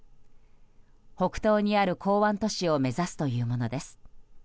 北東にある港湾都市を目指すというものです。